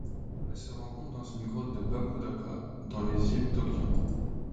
Elle se rencontre dans une grotte de Baku Daka dans les îles Togian.